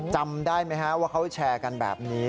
จำได้ไหมฮะว่าเขาแชร์กันแบบนี้